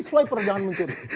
swiper jangan mencuri